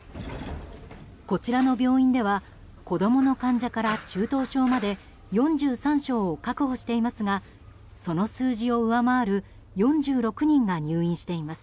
こちらの病院では子供の患者から中等症まで４３床確保していますがその数字を上回る４６人が入院しています。